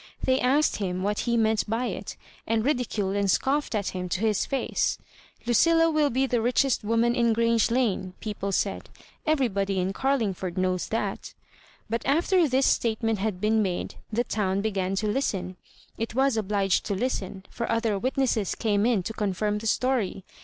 They asked him what he meant by it, and ridiculed and scoffed at him to his fiice. "LuciUa will be the richest woman in Orange Lane," people said; "everybody in Car lingford knows that" But after this statement had been made, the town began to listen. It was obliged to listen, for other witnesses came in to confirm the story.